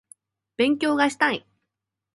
勉強がしたい